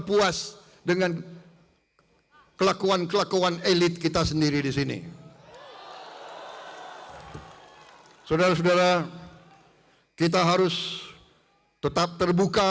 puas dengan kelakuan kelakuan elit kita sendiri di sini saudara saudara kita harus tetap terbuka